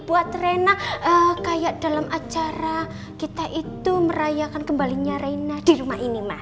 buat rena kayak dalam acara kita itu merayakan kembalinya rena di rumah ini mas